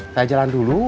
saya jalan dulu